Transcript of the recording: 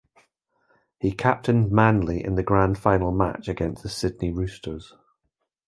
He captained Manly in the Grand Final match against the Sydney Roosters.